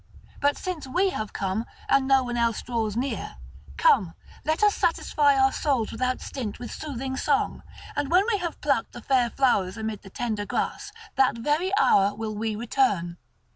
But since we have come and no one else draws near, come, let us satisfy our souls without stint with soothing song, and when we have plucked the fair flowers amid the tender grass, that very hour will we return.